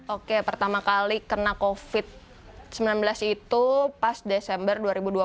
oke pertama kali kena covid sembilan belas itu pas desember dua ribu dua puluh